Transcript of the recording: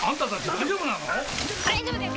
大丈夫です